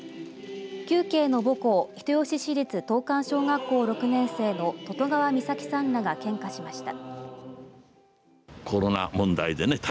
球渓の母校人吉市立東間小学校６年生の都外川美咲さんらが献花しました。